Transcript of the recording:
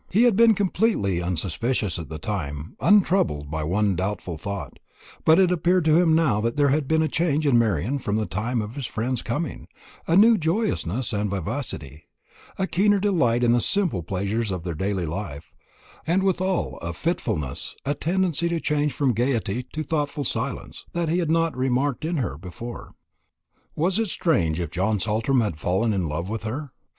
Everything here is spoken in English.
He had been completely unsuspicious at the time, untroubled by one doubtful thought; but it appeared to him now that there had been a change in Marian from the time of his friend's coming a new joyousness and vivacity, a keener delight in the simple pleasures of their daily life, and withal a fitfulness, a tendency to change from gaiety to thoughtful silence, that he had not remarked in her before. Was it strange if John Saltram had fallen in love with her?